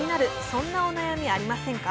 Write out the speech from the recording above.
そんなお悩みありませんか？